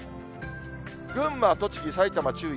群馬、栃木、埼玉、注意。